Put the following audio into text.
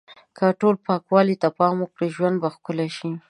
که ټول پاکوالی ته پام وکړو، ژوند به ښکلی شي.